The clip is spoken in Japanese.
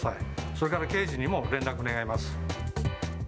それから刑事にも連絡願います。